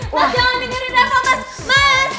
mas jangan dengerin reva mas